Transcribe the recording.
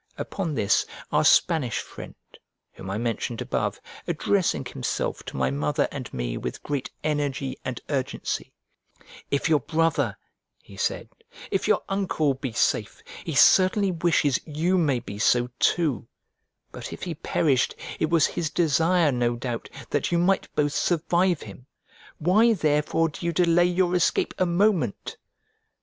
Upon this our Spanish friend, whom I mentioned above, addressing himself to my mother and me with great energy and urgency: "If your brother," he said, "if your uncle be safe, he certainly wishes you may be so too; but if he perished, it was his desire, no doubt, that you might both survive him: why therefore do you delay your escape a moment?"